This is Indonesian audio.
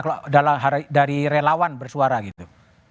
kalau dari relawan bersuara gitu